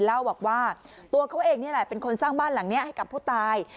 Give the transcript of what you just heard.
เล่าบอกว่าตัวเขาเองนี่แหละเป็นคนสร้างบ้านหลังนี้ให้กับผู้ตาย